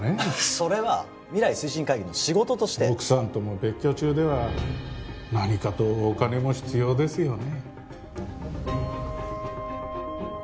それは未来推進会議の仕事として・奥さんとも別居中では何かとお金も必要ですよね？